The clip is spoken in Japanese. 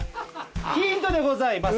ヒントでございます。